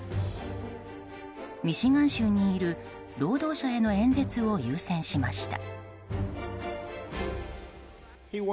ミシガン州にいる労働者への演説を優先しました。